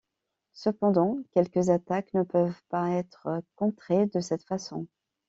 Cependant, quelques attaques ne peuvent pas être contrées de cette façon.